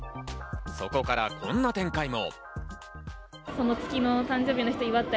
そこからこんな展開も。